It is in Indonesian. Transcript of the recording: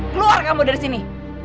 keluar kamu dari sini